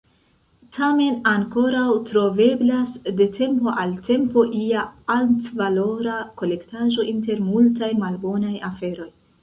Tamen ankoraŭ troveblas de tempo al tempo ia altvalora kolektaĵo inter multaj malbonaj aferoj.